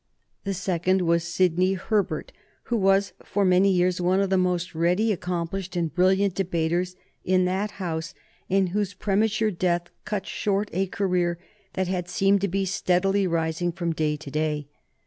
The second was Sidney Herbert, who was for many years one of the most ready, accomplished, and brilliant debaters in that House, and whose premature death cut short a career that had seemed to be steadily rising from day to day.